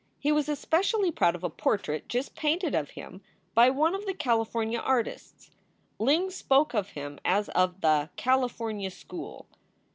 He was especially proud of a portrait just painted of him by one of the Cali fornia artists. Ling spoke of him as of the "California school."